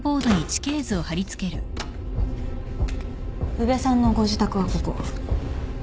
宇部さんのご自宅はここ。